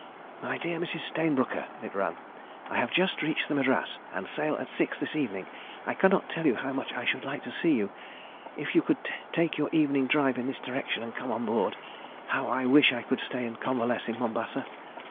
"My Dear Mrs. Stayne Brooker," it ran, "I have just reached the Madras, and sail at six this evening. I cannot tell you how much I should like to see you, if you could take your evening drive in this direction and come on board. How I wish I could stay and convalesce in Mombasa!